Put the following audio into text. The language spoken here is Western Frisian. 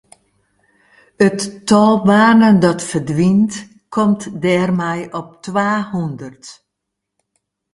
It tal banen dat ferdwynt komt dêrmei op twahûndert.